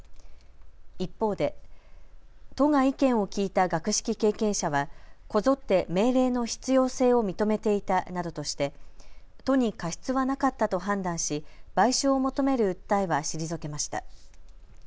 一方で都が意見を聞いた学識経験者はこぞって命令の必要性を認めていたなどとして都に過失はなかったと判断し賠償を求める訴えは退けました。